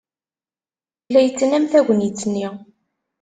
La yettnam tagnit-nni.